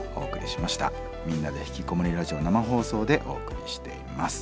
「みんなでひきこもりラジオ」生放送でお送りしています。